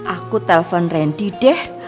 aku telpon randy deh